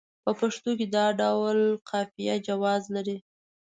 په پښتو کې دا ډول قافیه جواز لري.